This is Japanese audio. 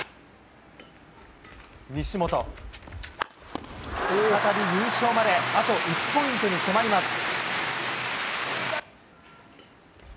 西本、再び優勝まであと１ポイントに迫ります。